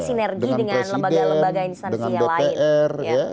sinergi dengan lembaga lembaga instansi yang lain